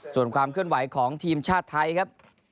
ส่วนความเคลื่อนไหวของทีมชาติไทยครับ